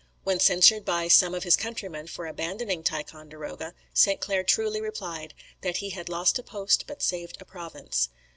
When censured by some of his countrymen for abandoning Ticonderoga, St. Clair truly replied, "that he had lost a post, but saved a province."